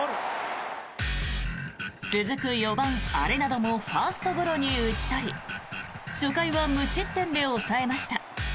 続く４番、アレナドもファーストゴロに打ち取り初回は無失点で抑えました。